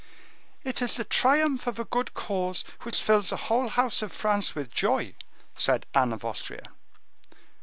"It is the triumph of a good cause which fills the whole house of France with joy," said Anne of Austria.